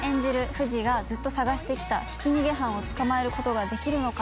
藤がずっと捜して来たひき逃げ犯を捕まえることができるのか？